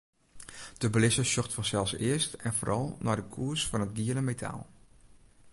De belizzer sjocht fansels earst en foaral nei de koers fan it giele metaal.